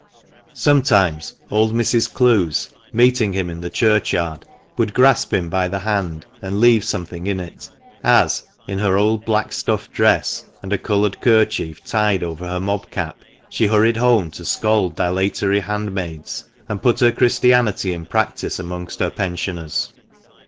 Sometimes old Mrs. Clowes, meeting him in the churchyard, would grasp him by the hand, and leave something in it, as, in her old black stuff dress and a coloured kerchief tied over her mob cap, she hurried home to scold dilatory handmaids, and put her Christianity in practice amongst her pensioners.